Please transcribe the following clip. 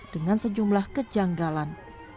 dengan sejumlah kejanggalan